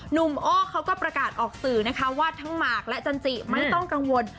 โอเขาก็ประกาศออกสื่อนะคะว่าทั้งหมากและจันจิไม่ต้องกังวล